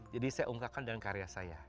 jadi saya ungkakan dalam karya saya